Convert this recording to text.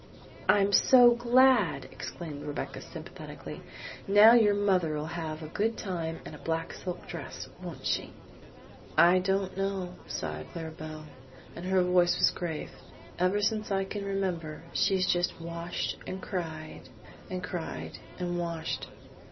"I'm so glad!" exclaimed Rebecca sympathetically. "Now your mother'll have a good time and a black silk dress, won't she?" "I don't know," sighed Clara Belle, and her voice was grave. "Ever since I can remember she's just washed and cried and cried and washed.